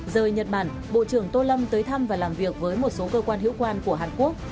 rời nhật bản bộ trưởng tô lâm tới thăm và làm việc với một số cơ quan hữu quan của hàn quốc